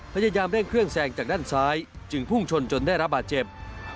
พยายามเร่งเครื่องแซงจากด้านซ้ายจึงพุ่งชนจนได้รับบาดเจ็บ